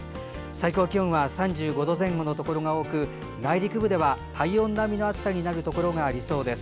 最高気温は３５度前後のところが多く内陸部では体温並みの暑さになるところがありそうです。